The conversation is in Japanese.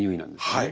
はい。